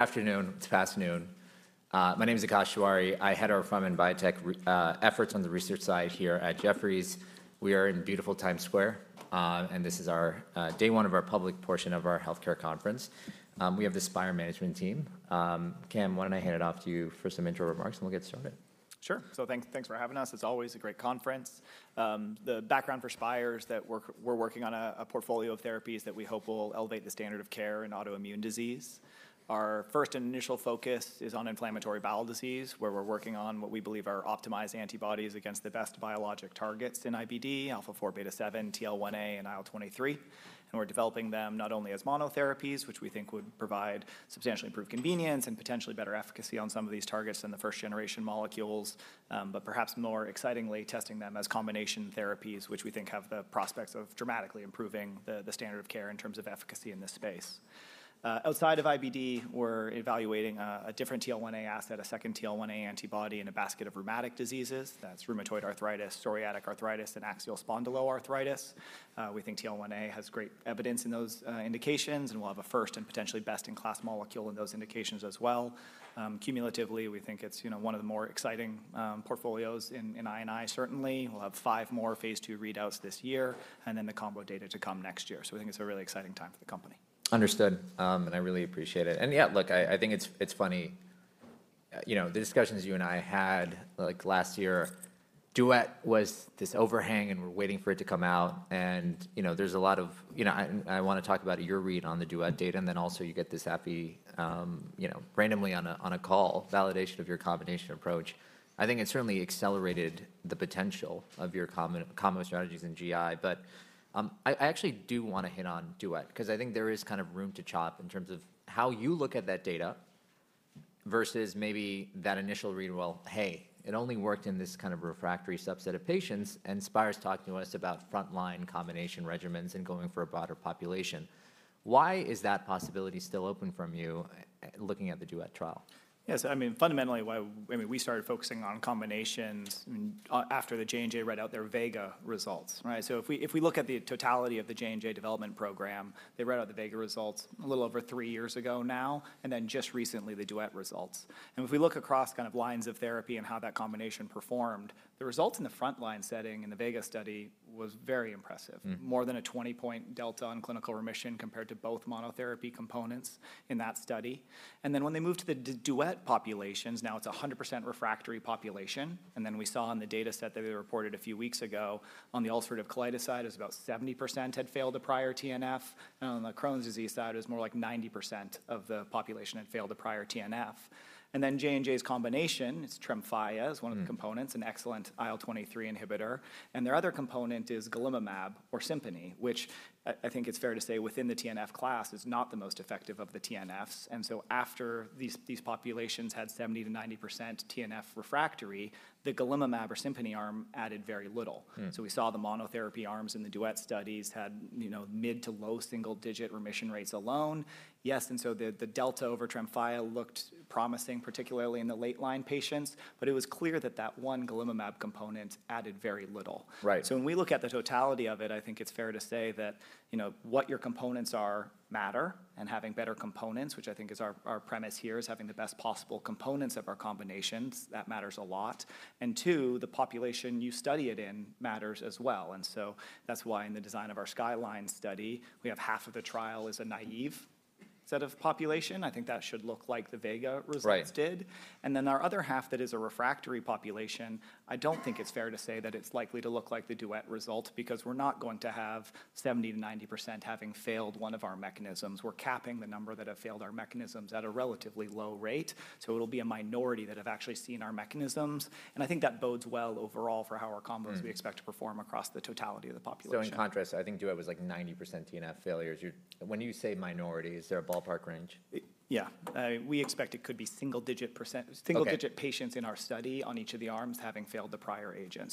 Afternoon. It's past noon. My name's Akash Tewari. I head our pharma and biotech efforts on the research side here at Jefferies. We are in beautiful Times Square, and this is our day one of our public portion of our healthcare conference. We have the Spyre management team. Cam, why don't I hand it off to you for some intro remarks, and we'll get started. Sure. Thanks for having us. It's always a great conference. The background for Spyre is that we're working on a portfolio of therapies that we hope will elevate the standard of care in autoimmune disease. Our first and initial focus is on inflammatory bowel disease, where we're working on what we believe are optimized antibodies against the best biologic targets in IBD, alpha-4 beta-7, TL1A, and IL-23. We're developing them not only as monotherapies, which we think would provide substantially improved convenience and potentially better efficacy on some of these targets than the first-generation molecules, but perhaps more excitingly, testing them as combination therapies, which we think have the prospects of dramatically improving the standard of care in terms of efficacy in this space. Outside of IBD, we're evaluating a different TL1A asset, a second TL1A antibody in a basket of rheumatic diseases. That's rheumatoid arthritis, psoriatic arthritis, and axial spondyloarthritis. We think TL1A has great evidence in those indications and will have a first and potentially best-in-class molecule in those indications as well. Cumulatively, we think it's one of the more exciting portfolios in I&I, certainly. We'll have five more phase II readouts this year, and then the combo data to come next year. We think it's a really exciting time for the company. Understood. I really appreciate it. Yeah, look, I think it's funny. The discussions you and I had last year, DUET was this overhang, and we're waiting for it to come out. I want to talk about your read on the DUET data, and then also you get this happy, randomly on a call, validation of your combination approach. I think it certainly accelerated the potential of your combo strategies in GI. I actually do want to hit on DUET because I think there is room to chop in terms of how you look at that data versus maybe that initial read, "Well, hey, it only worked in this kind of refractory subset of patients," and Spyre's talking to us about frontline combination regimens and going for a broader population. Why is that possibility still open from you looking at the DUET trial? Yes, fundamentally, we started focusing on combinations after the J&J read out their VEGA results. Right? If we look at the totality of the J&J development program, they read out the VEGA results a little over three years ago now, and then just recently, the DUET results. If we look across lines of therapy and how that combination performed, the results in the frontline setting in the VEGA study was very impressive. More than a 20-point delta on clinical remission compared to both monotherapy components in that study. When they moved to the DUET populations, now it's 100% refractory population. We saw in the data set that we reported a few weeks ago on the ulcerative colitis side, it was about 70% had failed a prior TNF. On the Crohn's disease side, it was more like 90% of the population had failed a prior TNF. J&J's combination, it's TREMFYA, is one of the components. An excellent IL-23 inhibitor. Their other component is golimumab or SIMPONI, which I think it's fair to say within the TNF class is not the most effective of the TNFs. After these populations had 70%-90% TNF refractory, the golimumab or SIMPONI arm added very little. We saw the monotherapy arms in the DUET studies had mid to low single-digit remission rates alone. Yes. The delta over TREMFYA looked promising, particularly in the late-line patients. It was clear that one golimumab component added very little. Right. When we look at the totality of it, I think it's fair to say that what your components are matter, and having better components, which I think is our premise here, is having the best possible components of our combinations. That matters a lot. Two, the population you study it in matters as well. That's why in the design of our SKYLINE study, we have half of the trial is a naive set of population. I think that should look like the VEGA results did. Right Then our other half that is a refractory population, I don't think it's fair to say that it's likely to look like the DUET result because we're not going to have 70%-90% having failed one of our mechanisms. We're capping the number that have failed our mechanisms at a relatively low rate. It'll be a minority that have actually seen our mechanisms, and I think that bodes well overall for how our combos. We expect to perform across the totality of the population. In contrast, I think DUET was like 90% TNF failures. When you say minority, is there a ballpark range? Yeah. We expect it could be single-digit patients. Okay In our study on each of the arms having failed the prior agent.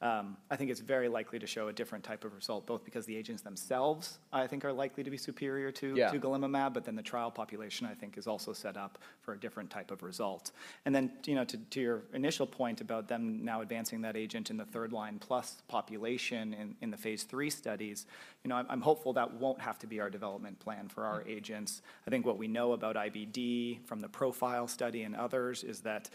I think it's very likely to show a different type of result, both because the agents themselves, I think, are likely to be superior. Yeah Golimumab, the trial population, I think, is also set up for a different type of result. To your initial point about them now advancing that agent in the third-line plus population in the phase III studies, I'm hopeful that won't have to be our development plan for our agents. I think what we know about IBD from the PROFILE study and others is that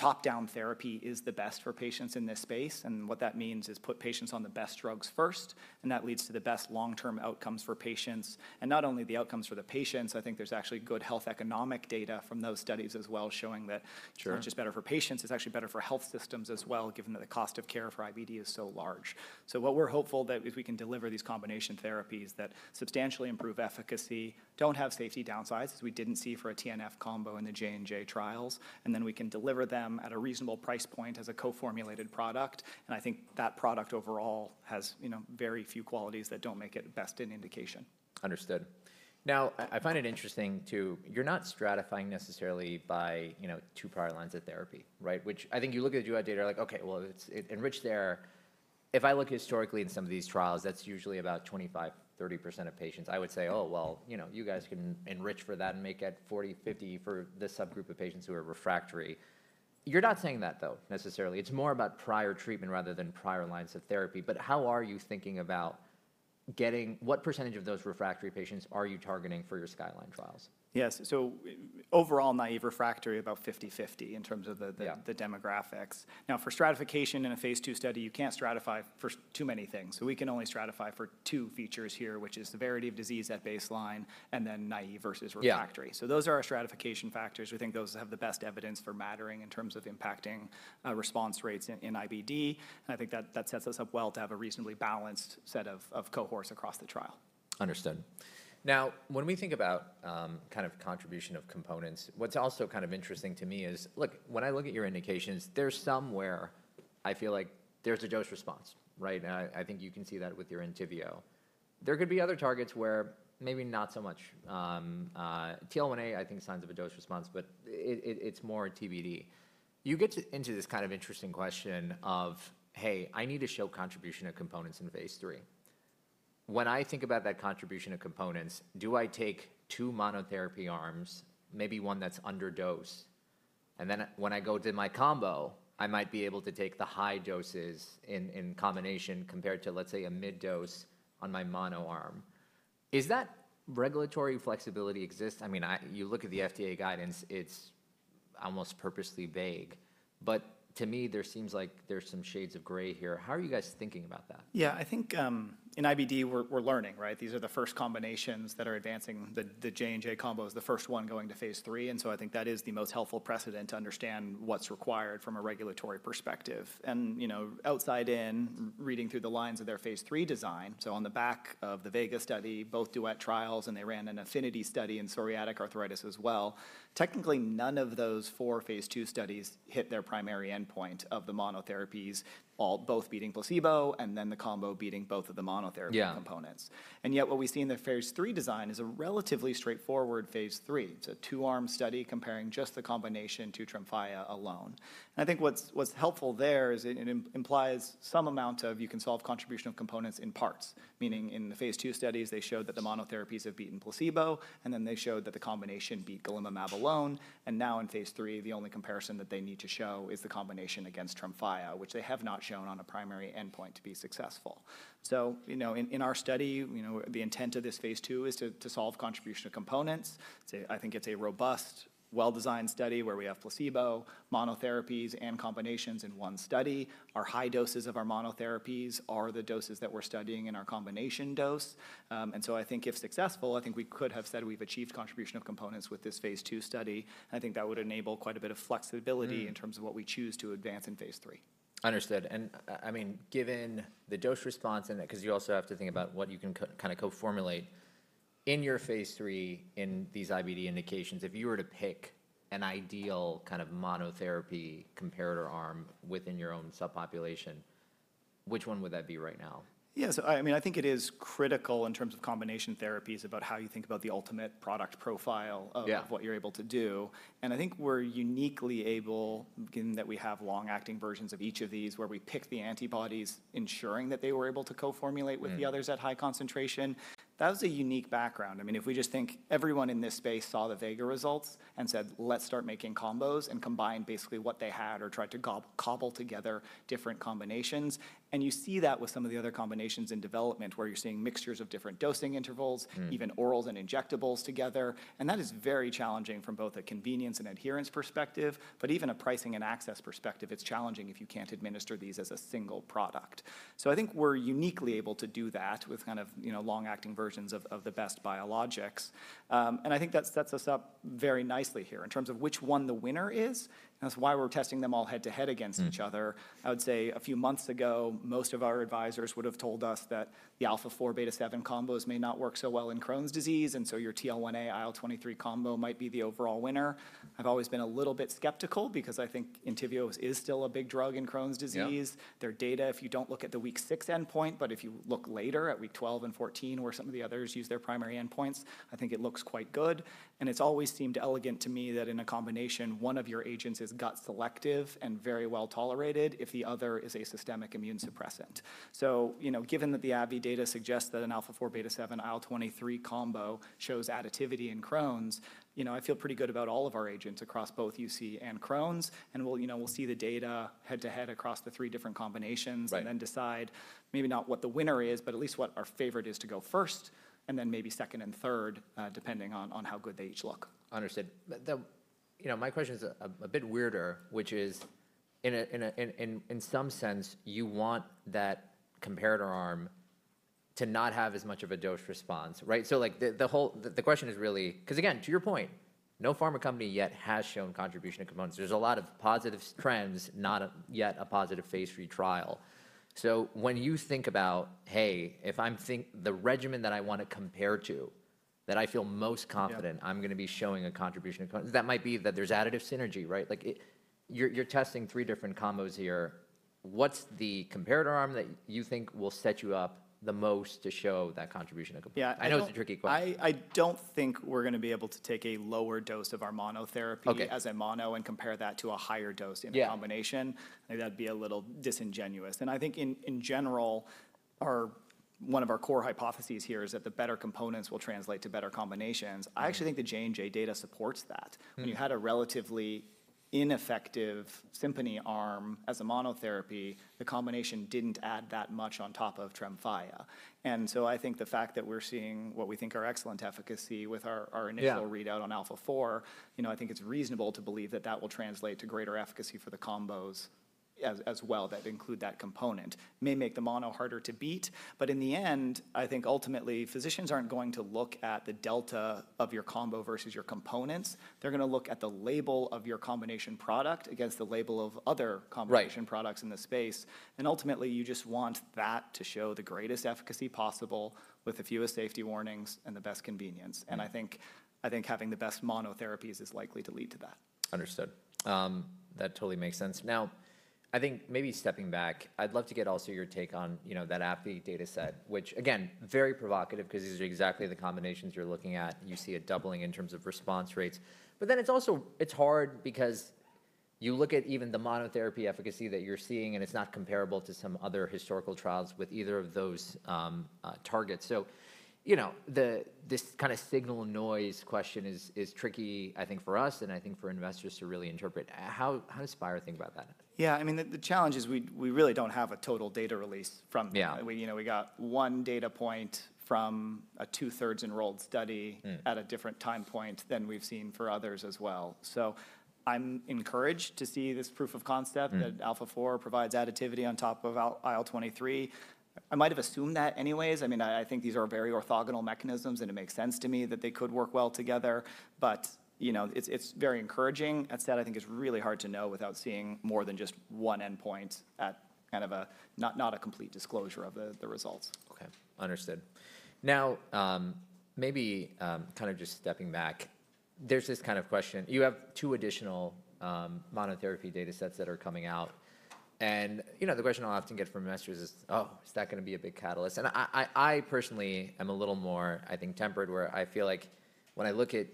top-down therapy is the best for patients in this space, what that means is put patients on the best drugs first, that leads to the best long-term outcomes for patients. Not only the outcomes for the patients, I think there's actually good health economic data from those studies as well, showing that. Sure. It's not just better for patients, it's actually better for health systems as well, given that the cost of care for IBD is so large. What we're hopeful that if we can deliver these combination therapies that substantially improve efficacy, don't have safety downsides, as we didn't see for a TNF combo in the J&J trials, and then we can deliver them at a reasonable price point as a co-formulated product, and I think that product overall has very few qualities that don't make it best in indication. Understood. I find it interesting too, you're not stratifying necessarily by two prior lines of therapy. Right? I think you look at the DUET data like, okay, well, it's enriched there. If I look historically in some of these trials, that's usually about 25%, 30% of patients. I would say, "Oh, well, you guys can enrich for that and make it 40%, 50% for this subgroup of patients who are refractory." You're not saying that, though, necessarily. It's more about prior treatment rather than prior lines of therapy. How are you thinking about what percentage of those refractory patients are you targeting for your SKYLINE trials? Yes. overall naive refractory, about 50/50. In terms of the demographics. For stratification in a phase II study, you can't stratify for too many things. We can only stratify for two features here, which is severity of disease at baseline and then naive versus refractory. Yeah. Those are our stratification factors. We think those have the best evidence for mattering in terms of impacting response rates in IBD, and I think that sets us up well to have a reasonably balanced set of cohorts across the trial. Understood. Now when we think about contribution of components, what's also kind of interesting to me is look, when I look at your indications, there's some where I feel like there's a dose response, right? I think you can see that with your ENTYVIO. There could be other targets where maybe not so much. TL1A, I think signs of a dose response, but it's more TBD. You get into this kind of interesting question of, "Hey, I need to show contribution of components in the phase III." When I think about that contribution of components, do I take two monotherapy arms, maybe one that's underdose, and then when I go do my combo, I might be able to take the high doses in combination compared to, let's say, a mid dose on my mono arm. Is that regulatory flexibility exist? You look at the FDA guidance, it's almost purposely vague, but to me there seems like there's some shades of gray here. How are you guys thinking about that? I think in IBD we're learning, right? These are the first combinations that are advancing. The J&J combo is the first one going to phase III, and so I think that is the most helpful precedent to understand what's required from a regulatory perspective. Outside in, reading through the lines of their phase III design, so on the back of the VEGA study, both DUET trials, and they ran an AFFINITY study in psoriatic arthritis as well. Technically, none of those four phase II studies hit their primary endpoint of the monotherapies, both beating placebo and then the combo beating both of the monotherapy components. Yeah Yet what we see in their phase III design is a relatively straightforward phase III. It's a two-arm study comparing just the combination to TREMFYA alone. I think what's helpful there is it implies some amount of you can solve contribution of components in parts. Meaning in the phase II studies, they showed that the monotherapies have beaten placebo, and then they showed that the combination beat golimumab alone, and now in phase III, the only comparison that they need to show is the combination against TREMFYA, which they have not shown on a primary endpoint to be successful. In our study, the intent of this phase II is to solve contribution of components. I think it's a robust, well-designed study where we have placebo, monotherapies, and combinations in one study. Our high doses of our monotherapies are the doses that we're studying in our combination dose. I think if successful, I think we could have said we've achieved contribution of components with this phase II study, and I think that would enable quite a bit of flexibility in terms of what we choose to advance in phase III. Understood. Given the dose response and that, because you also have to think about what you can co-formulate in your phase III in these IBD indications. If you were to pick an ideal kind of monotherapy comparator arm within your own subpopulation, which one would that be right now? Yeah. I think it is critical in terms of combination therapies about how you think about the ultimate product profile of what you're able to do. I think we're uniquely able, given that we have long-acting versions of each of these where we pick the antibodies ensuring that they were able to co-formulate with the others at high concentration. That was a unique background. If we just think everyone in this space saw the VEGA results and said, "Let's start making combos" and combined basically what they had or tried to cobble together different combinations. You see that with some of the other combinations in development, where you're seeing mixtures of different dosing intervals. Even orals and injectables together, and that is very challenging from both a convenience and adherence perspective. Even a pricing and access perspective, it's challenging if you can't administer these as a single product. I think we're uniquely able to do that with long-acting versions of the best biologics, and I think that sets us up very nicely here. In terms of which one the winner is, and that's why we're testing them all head-to-head against each other. I would say a few months ago, most of our advisors would've told us that the alpha-4 beta-7 combos may not work so well in Crohn's disease, and so your TL1A IL-23 combo might be the overall winner. I've always been a little bit skeptical because I think ENTYVIO is still a big drug in Crohn's disease. Yeah. Their data, if you don't look at the week six endpoint, but if you look later at week 12 and 14, where some of the others use their primary endpoints, I think it looks quite good, and it's always seemed elegant to me that in a combination, one of your agents is gut selective and very well tolerated if the other is a systemic immune suppressant. Given that the AbbVie data suggests that an alpha-4 beta-7 IL-23 combo shows additivity in Crohn's, I feel pretty good about all of our agents across both UC and Crohn's, and we'll see the data head-to-head across the three different combinations. Right Then decide maybe not what the winner is, but at least what our favorite is to go first, and then maybe second and third, depending on how good they each look. Understood. My question is a bit weirder, which is in some sense you want that comparator arm to not have as much of a dose response, right? The question is really, cause again, to your point, no pharma company yet has shown contribution of components. There's a lot of positive trends, not yet a positive phase III trial. When you think about, hey, the regimen that I want to compare to, that I feel most confident. Yeah I'm going to be showing a contribution of components. That might be that there's additive synergy, right? You're testing three different combos here. What's the comparator arm that you think will set you up the most to show that contribution of components? Yeah. I know it's a tricky question. I don't think we're going to be able to take a lower dose of our monotherapy. Okay as a mono and compare that to a higher dose in a combination. Maybe that'd be a little disingenuous, and I think in general one of our core hypotheses here is that the better components will translate to better combinations. I actually think the J&J data supports that. When you had a relatively ineffective SIMPONI arm as a monotherapy, the combination didn't add that much on top of TREMFYA. I think the fact that we're seeing what we think are excellent efficacy. Yeah Readout on alpha-4, I think it's reasonable to believe that that will translate to greater efficacy for the combos as well that include that component. May make the mono harder to beat, in the end, I think ultimately physicians aren't going to look at the delta of your combo versus your components. They're going to look at the label of your combination product against the label of other combination. Right Products in the space. Ultimately, you just want that to show the greatest efficacy possible with the fewest safety warnings and the best convenience. I think having the best monotherapies is likely to lead to that. Understood. That totally makes sense. Now, I think maybe stepping back, I'd love to get also your take on that AbbVie data set, which again, very provocative because these are exactly the combinations you're looking at, and you see a doubling in terms of response rates. It's hard because you look at even the monotherapy efficacy that you're seeing, and it's not comparable to some other historical trials with either of those targets. This kind of signal noise question is tricky, I think, for us and I think for investors to really interpret. How does Spyre think about that? Yeah. I mean, the challenge is we really don't have a total data release from. Yeah We got one data point from a 2/3 enrolled study. At a different time point than we've seen for others as well. I'm encouraged to see this proof of concept. That alpha-4 provides additivity on top of IL-23. I might have assumed that anyways. I think these are very orthogonal mechanisms, and it makes sense to me that they could work well together. It's very encouraging. That said, I think it's really hard to know without seeing more than just one endpoint at kind of a not a complete disclosure of the results. Okay. Understood. Maybe kind of just stepping back, there's this kind of question. You have two additional monotherapy data sets that are coming out. The question I'll often get from investors is, "Oh, is that going to be a big catalyst?" I personally am a little more, I think, tempered where I feel like when I look at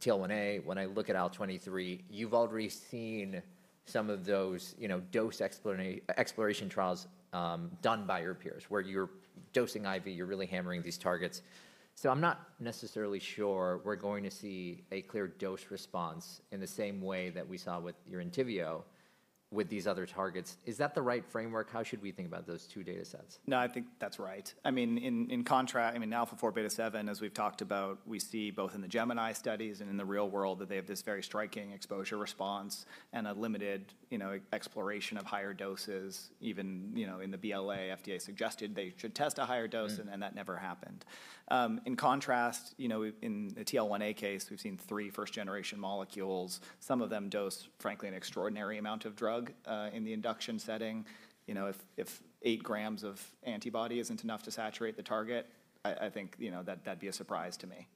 TL1A, when I look at IL-23, you've already seen some of those dose exploration trials done by your peers where you're dosing IV, you're really hammering these targets. I'm not necessarily sure we're going to see a clear dose response in the same way that we saw with your ENTYVIO with these other targets. Is that the right framework? How should we think about those two data sets? No, I think that's right. In contrast, alpha-4 beta-7, as we've talked about, we see both in the GEMINI studies and in the real world that they have this very striking exposure response and a limited exploration of higher doses. Even in the BLA, FDA suggested they should test a higher dose. That never happened. In contrast, in the TL1A case, we've seen three first-generation molecules. Some of them dose, frankly, an extraordinary amount of drug in the induction setting. If eight grams of antibody isn't enough to saturate the target, I think that'd be a surprise to me.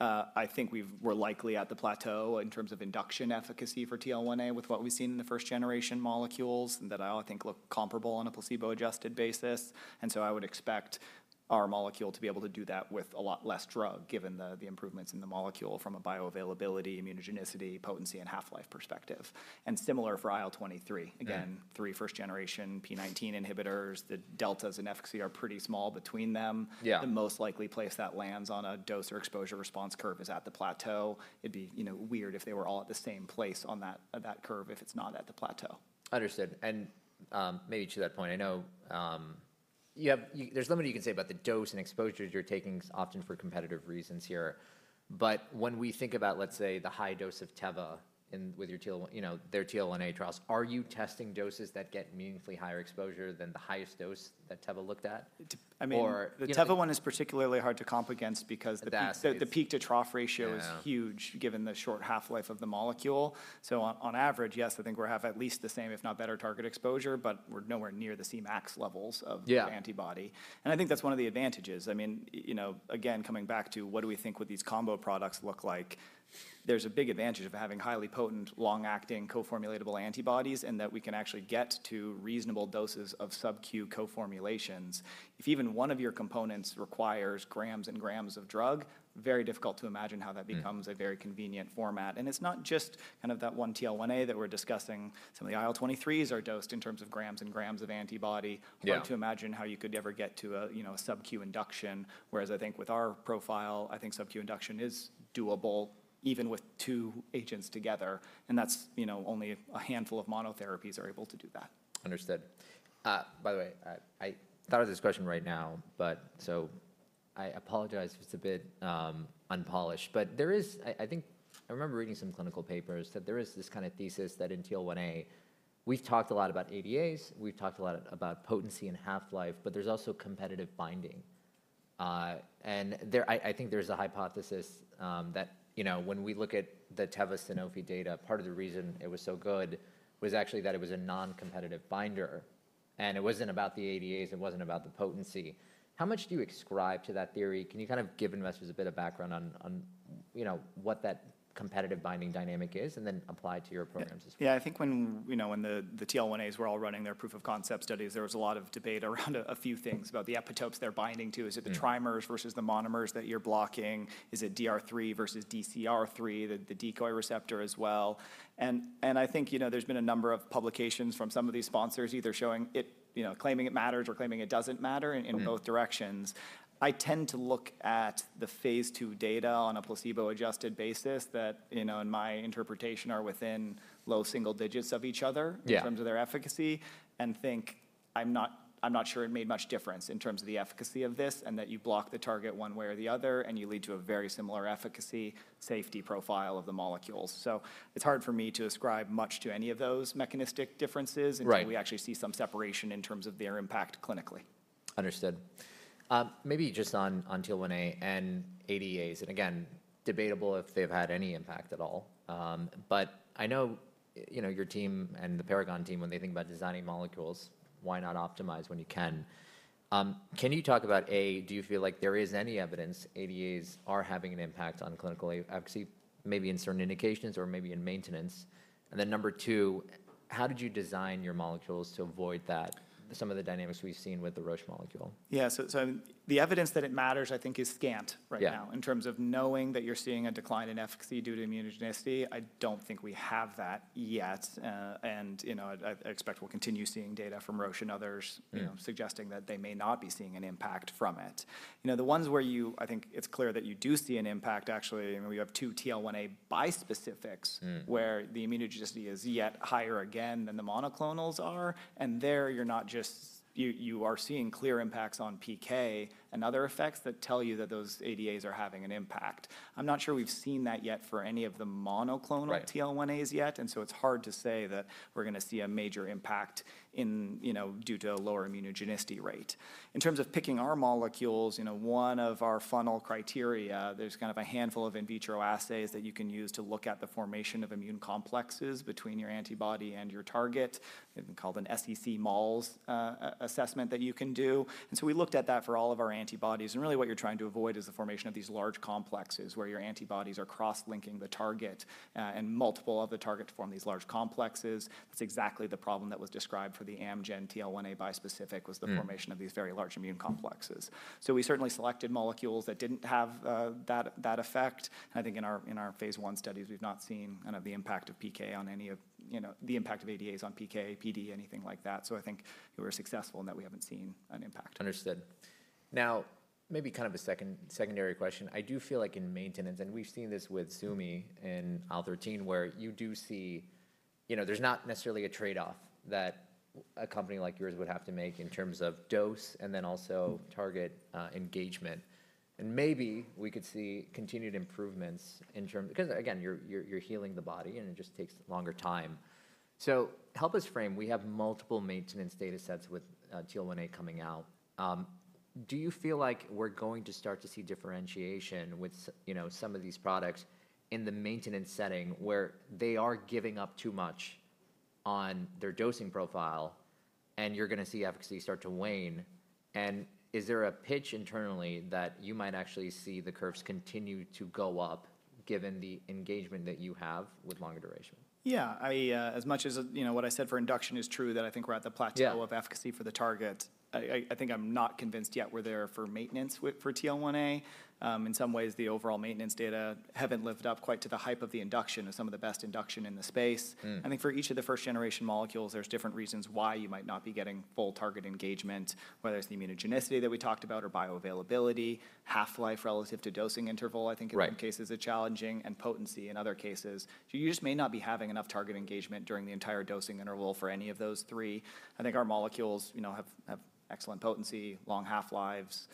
I think we're likely at the plateau in terms of induction efficacy for TL1A with what we've seen in the first-generation molecules that I think look comparable on a placebo-adjusted basis. I would expect our molecule to be able to do that with a lot less drug given the improvements in the molecule from a bioavailability, immunogenicity, potency, and half-life perspective. Similar for IL-23. Again, three first-generation P19 inhibitors. The deltas in efficacy are pretty small between them. Yeah. The most likely place that lands on a dose or exposure response curve is at the plateau. It'd be weird if they were all at the same place on that curve if it's not at the plateau. Understood. maybe to that point, I know there's limited you can say about the dose and exposures you're taking often for competitive reasons here. when we think about, let's say, the high dose of Teva with their TL1A trials, are you testing doses that get meaningfully higher exposure than the highest dose that Teva looked at? I mean, the Teva one is particularly hard to comp against because. The data is. the peak to trough ratio is huge given the short half-life of the molecule. On average, yes, I think we'll have at least the same if not better target exposure, but we're nowhere nearth e Cmax levels. Yeah The antibody. I think that's one of the advantages. Again, coming back to what do we think would these combo products look like? There's a big advantage of having highly potent, long-acting, co-formulatable antibodies and that we can actually get to reasonable doses of subcu co-formulations. If even one of your components requires grams and grams of drug, very difficult to imagine how that becomes-a very convenient format. It's not just kind of that one TL1A that we're discussing. Some of the IL-23s are dosed in terms of grams and grams of antibody. Yeah. Hard to imagine how you could ever get to a subcu induction, whereas I think with our profile, I think subcu induction is doable even with two agents together, and only a handful of monotherapies are able to do that. Understood. I thought of this question right now. I apologize if it's a bit unpolished. I remember reading some clinical papers that there is this kind of thesis that in TL1A, we've talked a lot about ADAs, we've talked a lot about potency and half-life, but there's also competitive binding. I think there's a hypothesis that when we look at the Teva Sanofi data, part of the reason it was so good was actually that it was a non-competitive binder, and it wasn't about the ADAs, it wasn't about the potency. How much do you ascribe to that theory? Can you kind of give investors a bit of background on, you know, what that competitive binding dynamic is and then apply it to your programs as well. Yeah. I think when the TL1As were all running their proof of concept studies, there was a lot of debate around a few things about the epitopes they're binding to. Is it the trimers versus the monomers that you're blocking? Is it DR3 versus DCR3, the decoy receptor as well? I think there's been a number of publications from some of these sponsors either claiming it matters or claiming it doesn't matter in both directions. I tend to look at the phase II data on a placebo-adjusted basis that, in my interpretation, are within low single digits of each other. Yeah In terms of their efficacy, I'm not sure it made much difference in terms of the efficacy of this, and that you block the target one way or the other, and you lead to a very similar efficacy safety profile of the molecules. It's hard for me to ascribe much to any of those mechanistic differences. Right Until we actually see some separation in terms of their impact clinically. Understood. Maybe just on TL1A and ADAs, again, debatable if they've had any impact at all. I know your team and the Paragon team when they think about designing molecules, why not optimize when you can? Can you talk about A, do you feel like there is any evidence ADAs are having an impact on clinical efficacy, maybe in certain indications or maybe in maintenance? Then number two, how did you design your molecules to avoid that, some of the dynamics we've seen with the Roche molecule? Yeah. The evidence that it matters, I think, is scant right now. In terms of knowing that you're seeing a decline in efficacy due to immunogenicity, I don't think we have that yet. I expect we'll continue seeing data from Roche and others suggesting that they may not be seeing an impact from it. The ones where I think it's clear that you do see an impact, actually, we have two TL1A bispecifics where the immunogenicity is yet higher again than the monoclonals are, and there you are seeing clear impacts on PK and other effects that tell you that those ADAs are having an impact. I'm not sure we've seen that yet for any of the monoclonal- Right TL1As yet, it's hard to say that we're going to see a major impact due to a lower immunogenicity rate. In terms of picking our molecules, one of our funnel criteria, there's a handful of in vitro assays that you can use to look at the formation of immune complexes between your antibody and your target. They've been called an SEC-MALS assessment that you can do. We looked at that for all of our antibodies, and really what you're trying to avoid is the formation of these large complexes where your antibodies are cross-linking the target and multiple of the target to form these large complexes. That's exactly the problem that was described for the Amgen TL1A bispecific was the formation of these very large immune complexes. We certainly selected molecules that didn't have that effect. I think in our phase I studies, we've not seen the impact of ADAs on PK, PD, anything like that. I think we were successful in that we haven't seen an impact. Understood. Maybe a secondary question. I do feel like in maintenance, we've seen this with Sumi and IL-13, where you do see there's not necessarily a trade-off that a company like yours would have to make in terms of dose and then also target engagement. Maybe we could see continued improvements. Because again, you're healing the body, and it just takes a longer time. Help us frame. We have multiple maintenance data sets with TL1A coming out. Do you feel like we're going to start to see differentiation with some of these products in the maintenance setting where they are giving up too much on their dosing profile and you're going to see efficacy start to wane? Is there a pitch internally that you might actually see the curves continue to go up given the engagement that you have with longer duration? Yeah. As much as what I said for induction is true, that I think we're at the plateau of efficacy for the target. I think I'm not convinced yet we're there for maintenance for TL1A. In some ways, the overall maintenance data haven't lived up quite to the hype of the induction of some of the best induction in the space. I think for each of the first-generation molecules, there's different reasons why you might not be getting full target engagement, whether it's the immunogenicity that we talked about or bioavailability, half-life relative to dosing interval. Right In some cases are challenging, and potency in other cases. You just may not be having enough target engagement during the entire dosing interval for any of those three. I think our molecules have excellent potency, long half-lives,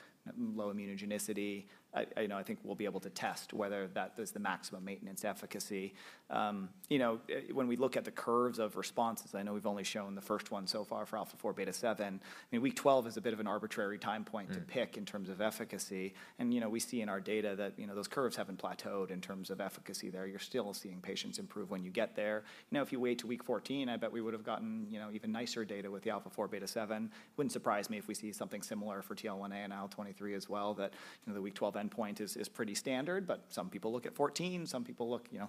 low immunogenicity. I think we'll be able to test whether that is the maximum maintenance efficacy. When we look at the curves of responses, I know we've only shown the first one so far for alpha-4 beta-7. Week 12 is a bit of an arbitrary time point to pick. In terms of efficacy, we see in our data that those curves haven't plateaued in terms of efficacy there. You're still seeing patients improve when you get there. If you wait till week 14, I bet we would've gotten even nicer data with the alpha-4 beta-7. Wouldn't surprise me if we see something similar for TL1A and IL-23 as well, that the week 12 endpoint is pretty standard, but some people look at 14.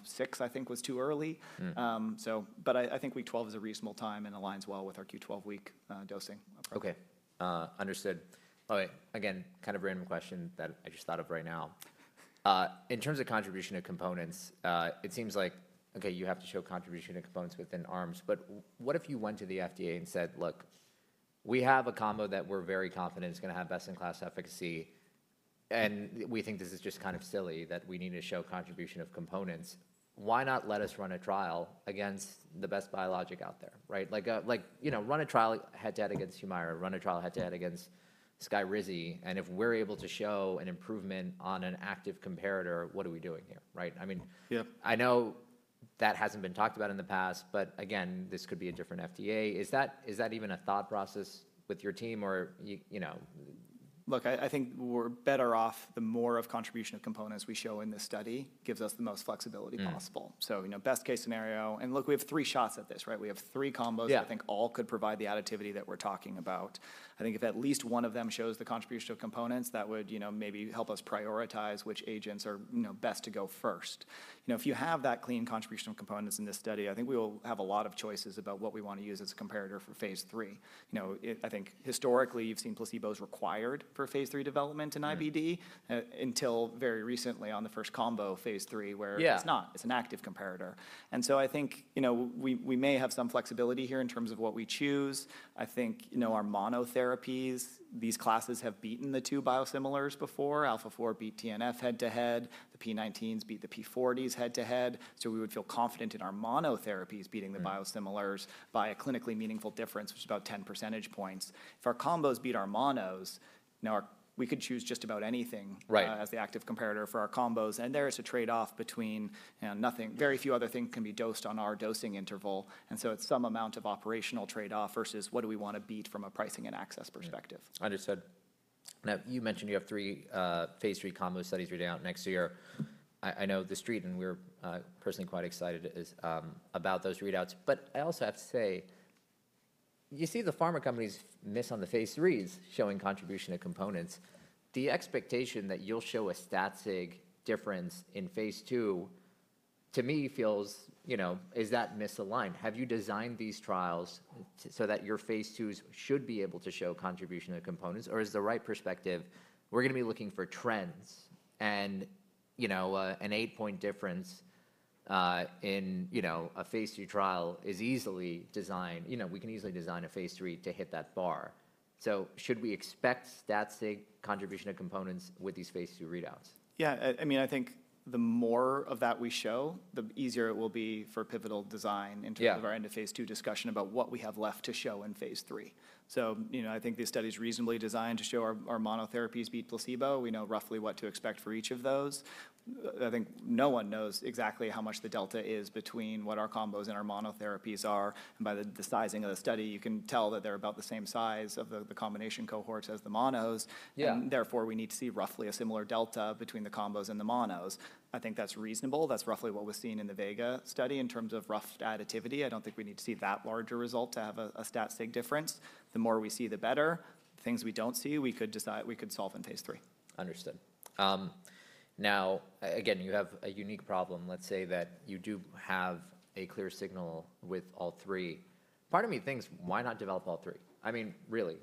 Six, I think, was too early, but I think week 12 is a reasonable time and aligns well with our Q12-week dosing. Okay. Understood. Okay. Again, kind of a random question that I just thought of right now. In terms of contribution of components, it seems like, okay, you have to show contribution of components within arms. What if you went to the FDA and said, "Look, we have a combo that we're very confident is going to have best-in-class efficacy, and we think this is just kind of silly that we need to show contribution of components." Why not let us run a trial against the best biologic out there? Right? Run a trial head-to-head against HUMIRA, run a trial head-to-head against SKYRIZI, and if we're able to show an improvement on an active comparator, what are we doing here? Right? Yeah. I know that hasn't been talked about in the past, but again, this could be a different FDA. Is that even a thought process with your team, or do you- Look, I think we're better off the more of contribution of components we show in this study, gives us the most flexibility possible. Best case scenario, and look, we have three shots at this, right? We have three combos. Yeah I think all could provide the additivity that we're talking about. I think if at least one of them shows the contribution of components, that would maybe help us prioritize which agents are best to go first. If you have that clean contribution of components in this study, I think we will have a lot of choices about what we want to use as a comparator for phase III. I think historically, you've seen placebos required for phase III development in IBD. Until very recently on the first combo, phase III, where. Yeah It's not. It's an active comparator. I think we may have some flexibility here in terms of what we choose. I think our monotherapies, these classes have beaten the two biosimilars before. Alpha-4 beat TNF head to head. The P19s beat the p40s head to head. We would feel confident in our monotherapies beating the biosimilars by a clinically meaningful difference, which is about 10 percentage points. If our combos beat our monos, we could choose just about anything. Right As the active comparator for our combos, and there is a trade-off between very few other things can be dosed on our dosing interval, and so it's some amount of operational trade-off versus what do we want to beat from a pricing and access perspective. Understood. You mentioned you have three phase III combo studies reading out next year. I know the street, we're personally quite excited about those readouts. I also have to say, you see the pharma companies miss on the phase IIIs showing contribution of components. The expectation that you'll show a stat sig difference in phase II, to me feels, is that misaligned? Have you designed these trials so that your phase IIs should be able to show contribution of components? Is the right perspective, we're going to be looking for trends and an eight-point difference in a phase II trial is easily designed. We can easily design a phase III to hit that bar. Should we expect stat sig contribution of components with these phase II readouts? Yeah, I think the more of that we show, the easier it will be for pivotal design in terms of our end of phase II discussion about what we have left to show in phase III. I think this study's reasonably designed to show our monotherapies beat placebo. We know roughly what to expect for each of those. I think no one knows exactly how much the delta is between what our combos and our monotherapies are, and by the sizing of the study, you can tell that they're about the same size of the combination cohorts as the monos. Yeah. Therefore, we need to see roughly a similar delta between the combos and the monos. I think that's reasonable. That's roughly what was seen in the VEGA study in terms of rough additivity. I don't think we need to see that large a result to have a stat sig difference. The more we see, the better. Things we don't see, we could solve in phase III. Understood. Now, again, you have a unique problem. Let's say that you do have a clear signal with all three. Part of me thinks why not develop all three? I mean, really.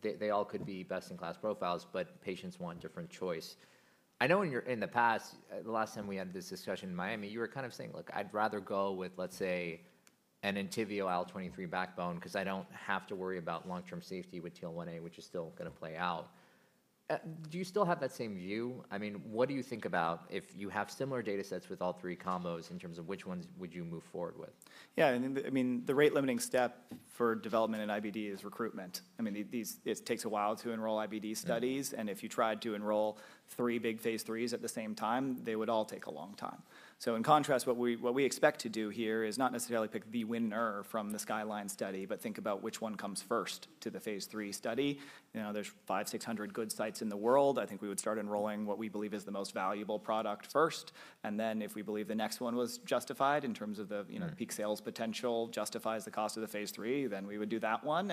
They all could be best-in-class profiles, but patients want different choice. I know in the past, the last time we had this discussion in Miami, you were kind of saying, Look, I'd rather go with, let's say, an ENTYVIO IL-23 backbone because I don't have to worry about long-term safety with TL1A, which is still going to play out. Do you still have that same view? I mean, what do you think about if you have similar data sets with all three combos in terms of which ones would you move forward with? I mean, the rate limiting step for development in IBD is recruitment. I mean, it takes a while to enroll IBD studies. If you tried to enroll three big phase IIIs at the same time, they would all take a long time. In contrast, what we expect to do here is not necessarily pick the winner from the SKYLINE study, but think about which one comes first to the phase III study. There's 500, 600 good sites in the world. I think we would start enrolling what we believe is the most valuable product first, and then if we believe the next one was justified. Peak sales potential justifies the cost of the phase III, then we would do that one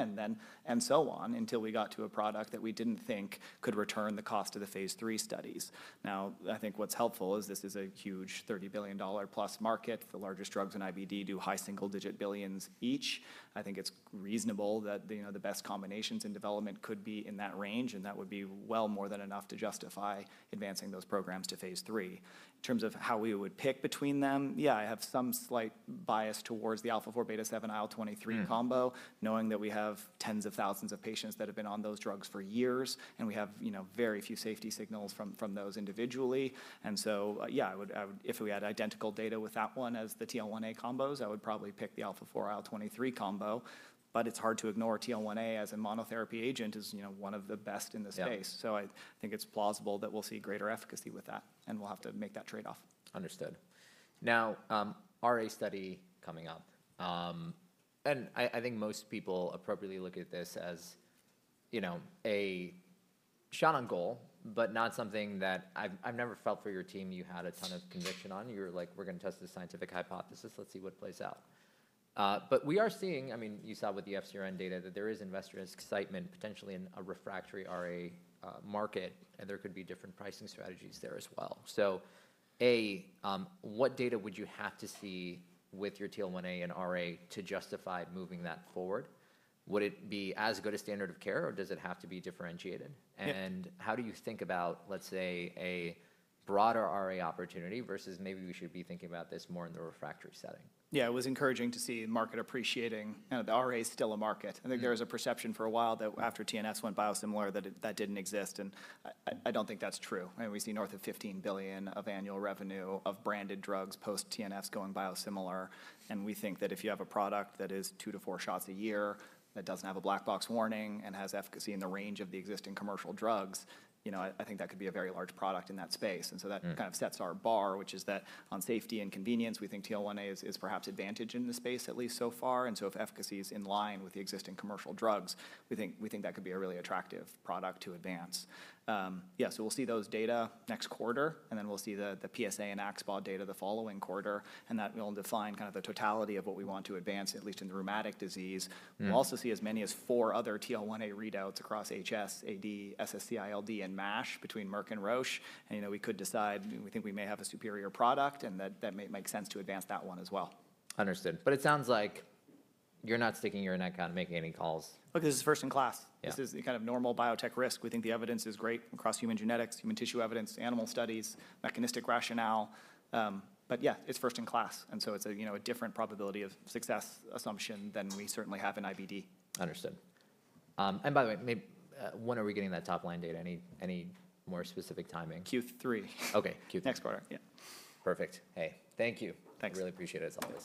and so on until we got to a product that we didn't think could return the cost of the phase III studies. I think what's helpful is this is a huge $30 billion-plus market. The largest drugs in IBD do high single-digit billions each. I think it's reasonable that the best combinations in development could be in that range, and that would be well more than enough to justify advancing those programs to phase III. In terms of how we would pick between them, yeah, I have some slight bias towards the alpha-4, beta-7, IL-23 combo. Knowing that we have tens of thousands of patients that have been on those drugs for years, and we have very few safety signals from those individually. If we had identical data with that one as the TL1A combos, I would probably pick the ALFA4 IL-23 combo. It's hard to ignore TL1A as a monotherapy agent, as one of the best in the space. Yeah. I think it's plausible that we'll see greater efficacy with that, and we'll have to make that trade-off. Understood. Now, RA study coming up. I think most people appropriately look at this as a shot on goal, but not something that I've never felt for your team you had a ton of conviction on. You're like, "We're going to test this scientific hypothesis. Let's see what plays out." We are seeing, you saw with the FcRn data that there is investor excitement potentially in a refractory RA market, and there could be different pricing strategies there as well. A, what data would you have to see with your TL1A and RA to justify moving that forward? Would it be as good a standard of care, or does it have to be differentiated? Yeah. How do you think about, let's say, a broader RA opportunity versus maybe we should be thinking about this more in the refractory setting? Yeah, it was encouraging to see market appreciating. The RA is still a market. I think there was a perception for a while that after TNFs went biosimilar, that that didn't exist, and I don't think that's true. I mean, we see north of $15 billion of annual revenue of branded drugs post-TNFs going biosimilar. We think that if you have a product that is two to four shots a year, that doesn't have a black box warning and has efficacy in the range of the existing commercial drugs, I think that could be a very large product in that space. Kind of sets our bar, which is that on safety and convenience, we think TL1A is perhaps advantage in the space, at least so far. If efficacy is in line with the existing commercial drugs, we think that could be a really attractive product to advance. Yeah, we'll see those data next quarter, and then we'll see the PsA and axSpA data the following quarter, and that will define the totality of what we want to advance, at least in rheumatic disease. We'll also see as many as four other TL1A readouts across HS, AD, SSc, ILD, and MASH between Merck and Roche, and we could decide, we think we may have a superior product, and that may make sense to advance that one as well. Understood. it sounds like you're not sticking your neck out and making any calls. Look, this is first in class. Yeah. This is the kind of normal biotech risk. We think the evidence is great across human genetics, human tissue evidence, animal studies, mechanistic rationale. Yeah, it's first in class, and so it's a different probability of success assumption than we certainly have in IBD. Understood. By the way, when are we getting that top-line data? Any more specific timing? Q3. Okay, Q3. Next quarter, yeah. Perfect. Hey, thank you. Thanks. Really appreciate it as always.